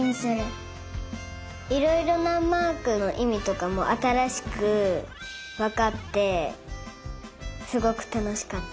いろいろなマークのいみとかもあたらしくわかってすごくたのしかった。